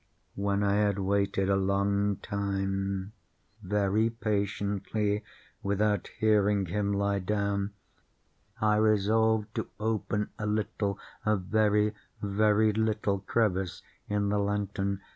When I had waited a long time, very patiently, without hearing him lie down, I resolved to open a little—a very, very little crevice in the lantern.